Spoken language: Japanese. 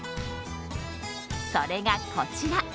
それが、こちら。